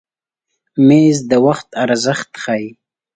مېز د وخت ارزښت ښیي.